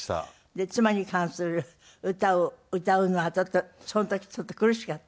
で妻に関する歌を歌うのはその時ちょっと苦しかった？